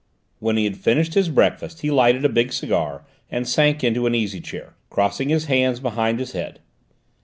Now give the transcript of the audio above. When he had finished his breakfast he lighted a big cigar and sank into an easy chair, crossing his hands behind his head.